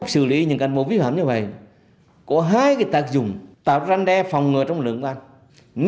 sử lý những cán bộ vi phạm như vậy có hai cái tác dụng tạo ra đe phòng ngừa trong lượng công an